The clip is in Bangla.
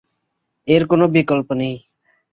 এর কোনো বিকল্প নেই।